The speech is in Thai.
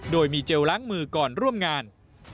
โดยมีเจลล้างมือก่อนร่วมงาน